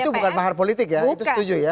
itu bukan mahar politik ya itu setuju ya